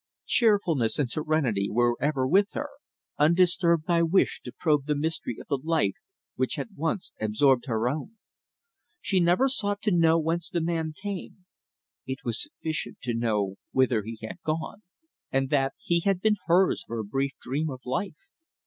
Cheerfulness and serenity were ever with her, undisturbed by wish to probe the mystery of the life which had once absorbed her own. She never sought to know whence the man came; it was sufficient to know whither he had gone, and that he had been hers for a brief dream of life.